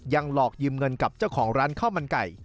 หลอกยืมเงินกับเจ้าของร้านข้าวมันไก่